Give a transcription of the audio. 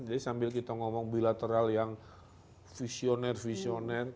jadi sambil kita ngomong bilateral yang visioner visioner